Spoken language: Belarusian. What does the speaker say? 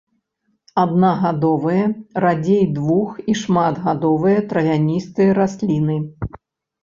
Аднагадовыя, радзей двух- і шматгадовы травяністыя расліны.